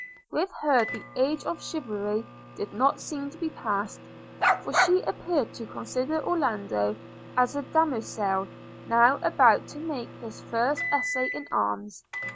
With her the age of chivalry did not seem to be passed; for she appeared to consider Orlando as a Damoisell, now about to make his first essay in arms.